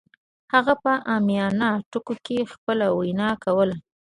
هغه په عامیانه ټکو کې خپله وینا کوله